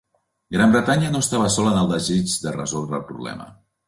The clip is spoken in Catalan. Gran Bretanya no estava sola en el desig de resoldre el problema.